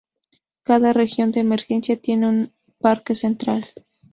Cada región de emergencia tiene un parque central.